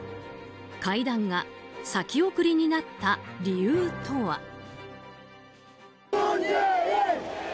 会談が先送りになった理由とは。